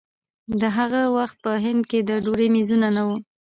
د هغه وخت په هند کې د ډوډۍ مېزونه نه وو.